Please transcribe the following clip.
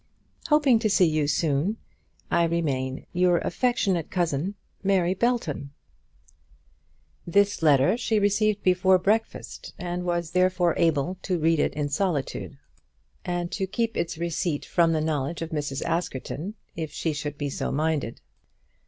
Hoping to see you soon, I remain Your affectionate Cousin, MARY BELTON. This letter she received before breakfast, and was therefore able to read it in solitude, and to keep its receipt from the knowledge of Mrs. Askerton, if she should be so minded.